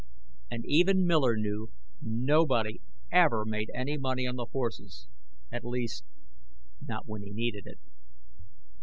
And even Miller knew nobody ever made any money on the horses at least, not when he needed it.